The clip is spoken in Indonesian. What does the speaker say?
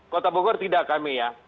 kota bogor tidak kami ya